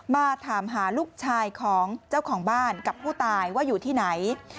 มาถามหาลูกชายของเจ้าของบ้านกับผู้ตายว่าอยู่ที่ไหน